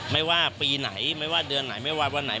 ไม่ว่าปีไหนไม่ว่าเดือนไหนไม่ว่าวันไหน